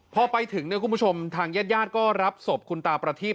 พอไปถึงเนื้อคุณผู้ชมทางแย่ดก็รับศพคุณตาประทีป